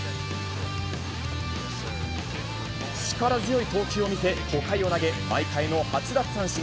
力強い投球を見せ、５回を投げ、毎回の８奪三振。